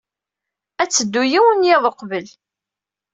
Ad teddu yiwen n yiḍ uqbel.